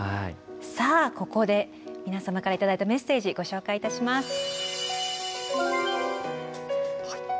ここで、皆様からいただいたメッセージをご紹介します。